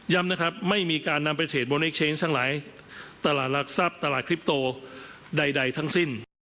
นะครับไม่มีการนำไปเทรดโบเนคเชนทั้งหลายตลาดหลักทรัพย์ตลาดคลิปโตใดทั้งสิ้น